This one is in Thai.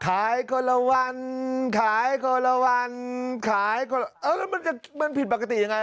ขายคนละวันขายคนละวันขายแล้วมันจะมันผิดปกติยังไง